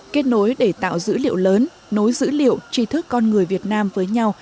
kết nối để tạo dữ liệu lớn nối dữ liệu trí thức con người việt nam với nhau